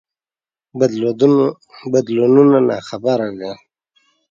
بدلونونو ناخبره وي.